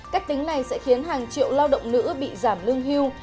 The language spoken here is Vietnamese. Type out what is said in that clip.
cách tính này sẽ khiến hàng triệu lao động nữ bị giảm lương hưu